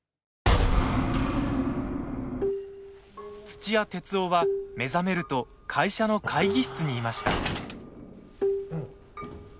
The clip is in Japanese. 土屋徹生は目覚めると会社の会議室にいました。